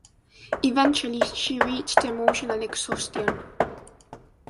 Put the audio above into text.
Eventually she reached emotional exhaustion.